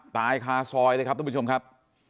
ตายคาซอยเลยครับทุกผู้ชมครับ